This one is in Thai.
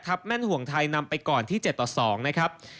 แม่นห่วงไทยนำไปก่อนที่๗ต่อ๒นะครับ